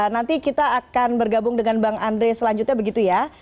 nanti kita akan bergabung dengan bang andre selanjutnya begitu ya